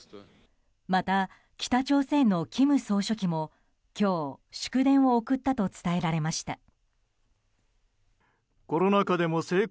また、北朝鮮の金総書記も今日、祝電を送ったと伝えられました。